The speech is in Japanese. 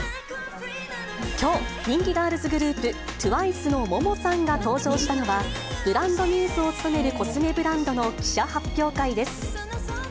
きょう、人気ガールズグループ、ＴＷＩＣＥのＭＯＭＯさんが登場したのは、ブランドミューズを務めるコスメブランドの記者発表会です。